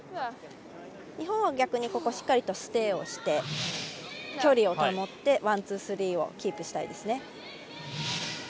日本は逆にしっかりとステイして距離を保ってワン、ツー、スリーをキープしたいです。